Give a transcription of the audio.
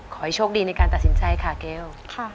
ขอให้โชคดีในการตัดสินใจค่ะเกล